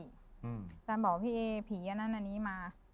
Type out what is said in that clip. อาจารย์จะบอกพี่เอวผินที่นั่นน่ะนี่มา